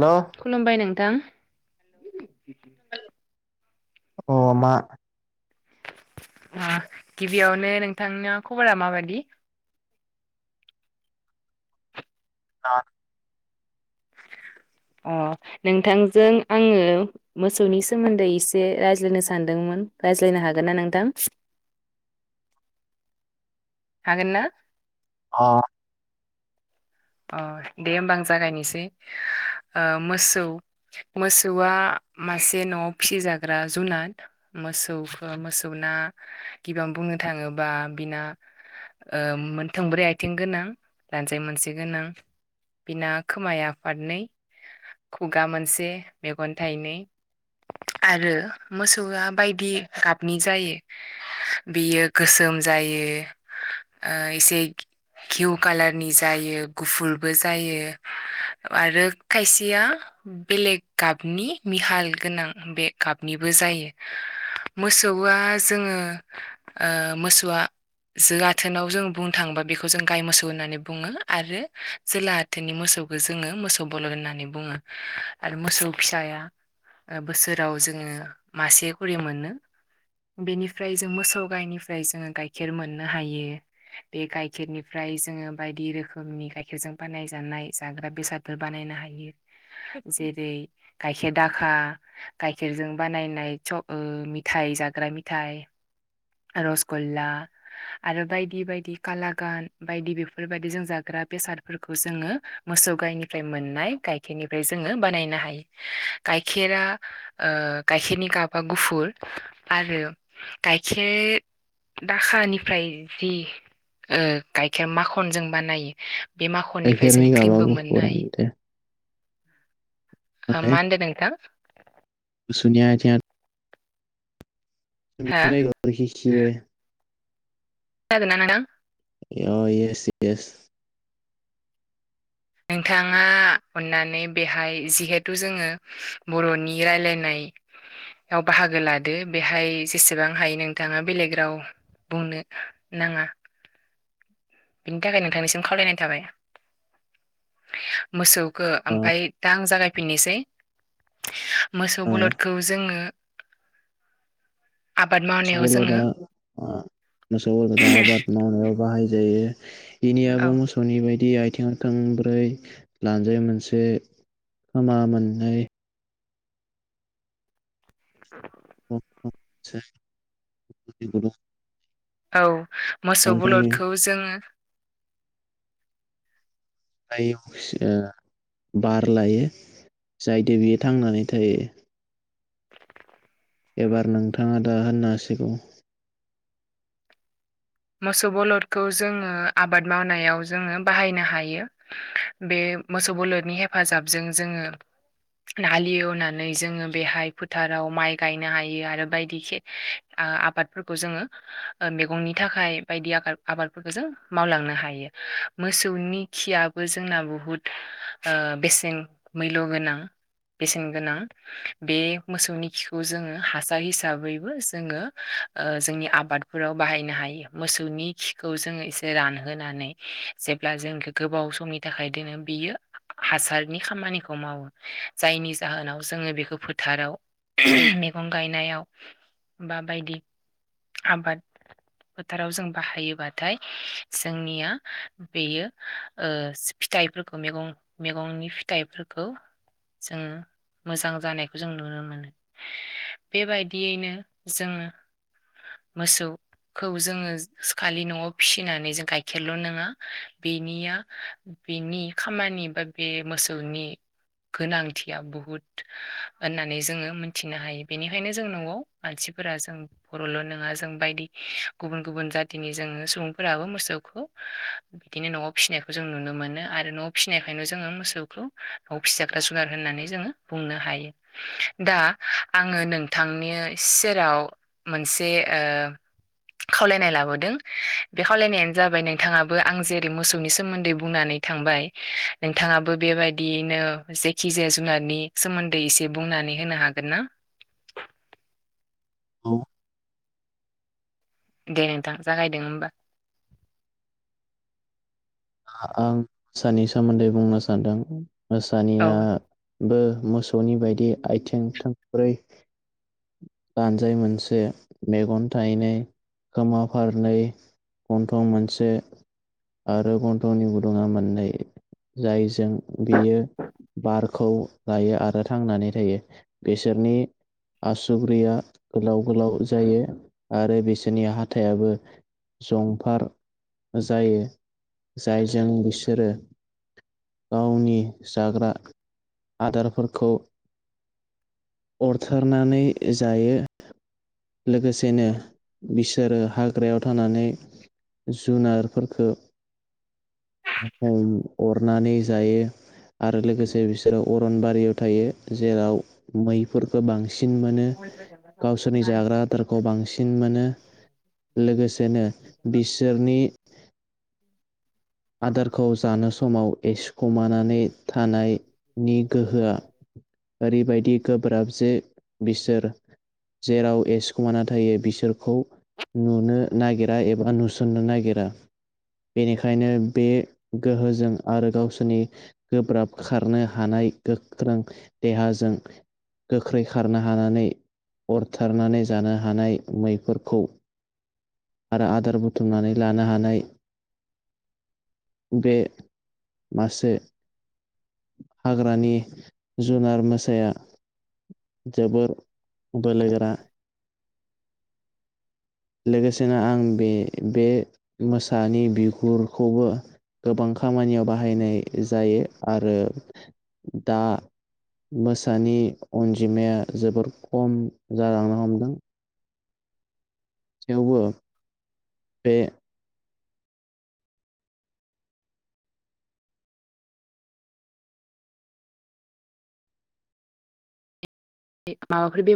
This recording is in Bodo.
हेल'। खुलुमबाय नोंथां। अ मा अ गिबियावनो नोंथांना खबरा माबायदि? द अ नोंथांजों आङो। मोसौनि सोमोन्दै एसे रायज्लायनो सानदोंमोन रायज्लायनो हागोन ना नोंथां? हागोना। अ। अ दे होमबा आं जागायनोसै ओ मोसौ मोसौआ मासे न'आव फिसिजाग्रा जुनाद। मोसौखौ मोसौ ना गिबिआवनो बुंनो थाङोबा बिना ओ मोन थोंब्रै आइथिं गोनां लानजाय मोनसे गोनां बिना खोमाया फारनै। खुगा मोनसे मेगन थाइनै। आरो मोसौआ बायदि गाबनि जायो। बेयो गोसोम जायो। इसे किउ कालारनि जायो। गुफुरबो जायो आरो खायसेया। बेलेग गाबनि मिहाल गोनां बे गाबनिबो जायो। मोसौआ जोङो मोसौआ। जो आथोनाव जों बुंनो थाङोबा बेखौ जों गाय मोसौ होननानै बुङो आरो। जोला आाथोनि मोसौखौ जोङो मोसौ बल' होननानै बुङो आरो मोसौ फिसाया। बोसोराव जोङो मासे खरि मोनो। बेनिफ्राय जों मोसौ गाइनिफ्राय जोङो गाइखेर मोननो हायो। बे गायखेरनिफ्राय जोङो बायदि रोखोमनि गा गाइखेरजों बानाय जानाय जाग्रा बेसादफोर बानायनो हायो जेरै। गायखेर दाखा। गाइखेरजों बानायनाय स मिथायाइ जाग्रा मिथाइ। रस गल्ला। आरो बायदि बायदि काला गान बायदि बेफोरबायायदि जों जाग्रा बेसाद। फोरखौ जोङो मोसौ गायनिफ्राय मोननाय गाइखेरनिफ्राय जोङो बानायनो हायो। गायखेरा गायखेरनि गाबा गुफुर आरो। गाइखेर दाखानिफ्राय जि। गाइखेर माखनजों बानायो। बे माखननिफ्राय जों खेरने का आवाज क्रिमबो मोननो हायो। पूराते है मा मोनदों नोंथां। मोसौनि आथिंङा। [inaudible] खोनादोंना नोंथां। अ एस एस। नोंथाङा अननानै बेहाय जिहेथु जोङो। बरनि रायलायनाय। व बाहागो लादो बेहाय जेसेबां हायो नोंथाङा बेलेग राव। बुंनो नाङा। बिनि थाखाय नोंथांनिसिम खावलायनाय थाबाय। मोसौखौ ओमफ्राय दा आं जागायफिननोसै। मोसौ बलदखौ जोङो। आबाद मावनायाव जोङो मोसौदा मोसौदा आबाद मावनायाव बाहाय जायो। बिनि औ आबुं। बि बायदि आथिं थोंब्रै लानजाय मोनसे खोमा मोननै। औ। [inaudible] औ मोसौ बलदखौ जोङो। ओ बार लायो जाहाथे बियो थांनानै थायो एबार नोंथाङा दा होननो हासिगौ मोसौ बलदखौ जोङो आबाद मावनायाव जोङो बाहायनो हायो बे मोसौ बोलोदनि हेफाजाबजों जोङो हालेवनानै जोङो बेहाय फोथाराव माइ गायनो हायो आरो बायदि खे आबादफोरखौ जोङो मैगंनि थाखाय बायदि आ आबादफोरखौ जों मावलांनो हायो मोसौनि खियाबो जोंना बुहुत बेसेन मैल' गोनां बेसेनगोनां बे मोसौनि खिखौ जोङो हासार हिसाबैबो जोङो जोंनि आबादफोराव बाहायनो हायो मोसौनि खिखौ जोङो एसे रानहोनानै जेब्ला जों गोबाव सम नि थाखाय दोनो बियो हासारनि खामानिखौ मावो जायनि जाहोनाव जोङो बेखौ फोथाराव मैगं गायनायाव बा बायदि आबाद फोथाराव जों बाहायोबाथाय जोंनिया बेयो ओ फिथाइफोरखौ मैगं मैगंनि फिथाइफोरखौ जोङो मोजां जानायखौ जों नुनो मोनो बेबायदियैनो जोङो मोसौ खौ जोङो खालि न'आव फिसिनानै जों गाइखेरल' नङा बेनिया बेनि खामानि बा बे मोसौनि गोनांथिया बुहुद होननानै जोङो मोनथिनो हायो बेनिखायनो जों न'आव मानसिफोरा जों बर'ल' नङा जों बायदि गुबुन गुबुन जातिनि जोङो सुबुंफोराबो मोसौखौ बिदिनो न'आव फिसिनायखौ जों नुनो मोनो आरो न'आव फिसिनायखायनो जोङो मोसौखौ न'आव फिजाग्रा जुगार होननानै जोङो बुंनो हायो दा आङो नोंथांनि सेराव मोनसे ओ खावलायनाय लाबोदों बे खावलायनायानो जाबाय नोंथाङाबो आं जेरै मोसौनि सोमोन्दै बुंनानै थांबाय नोंथाङाबो बेबायदियैनो जेखि जाया जुनारनि सोमोन्दै एसे बुंनानै होनो हागोन ना औ दे नोंथां जागायदो होमबा आं मोसानि सोमोन्दै बुंनो सानदों औ मोसानिया बो मोसौनि बायदि आथिं थोंब्रै लानजाय मोनसे मेगन थाइनै खोमा फारनै गन्थं मोनसे आरो गन्थंनि गुदुङा मोननै जायजों बेयो बारखौ लायो आरो थांनानै थायो बिसोरनि आसुगुरैया गोलाव गोलाव जायो आरो बिसोरनि हाथायाबो जंफार जायो जायजों बिसोरो गावनि जाग्रा आदारफोरखौ अरथारनानै जायो लोगोसेनो बिसोरो हाग्रायाव थानानै जुनारफोरखौ [unintelligible] अरनानै जायो आरो लोगोसे बिसोरो अरनबारियाव थायो जेराव मैफोरखौ बांसिन सिन मोनो गावसोरनि जाग्रा आदारखौ बांसिन [unintelligible] मोनो लोगोसेनो बिसोरनि आदारखौ जानो समाव एसिखमानानै थानायनि गोहोआ ओरैबायदि गोब्राब जे बिसोर जेराव एसखुमाना थायो बिसोरखौ नुनो नागिरा एबा नुसननो नागिरा बेनिखायनो बे गोहोजों आरो गावसोरनि गोब्राब खारनो हानाय गोख्रों देहाजों गोख्रै खारनो हानानै अरथारनानै जानो हानाय मैफोरखौ आरो आदार बुथुमनानै लानो हानाय बे मासे हाग्रानि जुनार मोसाया जोबोर बोलोग्रा लोगोसेनो आं बे बे मोसानि बिगुरखौबो गोबां खामानियाव बाहायनाय जायो आरो दा मोसानि अनजिमाया जोबोर खम जालांनो हमदों थेवबो बे माबाफोर बे